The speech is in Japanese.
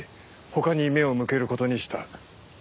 他に目を向ける事にした。